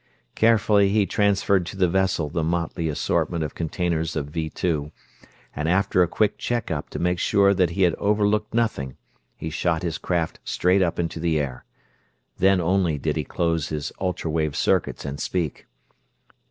Carefully he transferred to the vessel the motley assortment of containers of Vee Two, and after a quick check up to make sure that he had overlooked nothing, he shot his craft straight up into the air. Then only did he close his ultra wave circuits and speak.